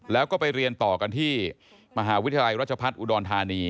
แล้วก็ไปเรียนต่อกันที่มหาวิทยาลัยรัชพัฒน์อุดรธานี